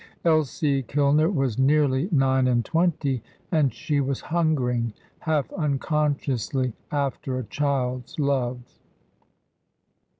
Elsie Kilner was nearly nine and twenty, and she was hungering, half unconsciously, after a child's love.